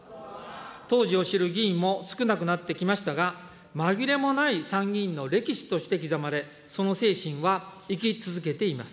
当時を知る議員も少なくなってきましたが、まぎれもない参議院の歴史として刻まれ、その精神は生き続けています。